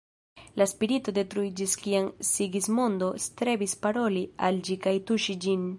La spirito detruiĝis kiam Sigismondo strebis paroli al ĝi kaj tuŝi ĝin.